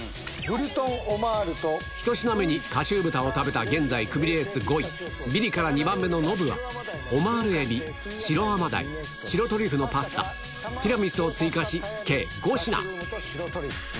１品目に花悠豚を食べた現在、クビレース５位、ビリから２番目のノブは、オマール海老、白アマダイ、白トリュフのパスタ、ティラミスを追加し、計５品。